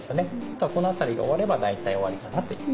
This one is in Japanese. だからこの辺りが終われば大体終わりかなという。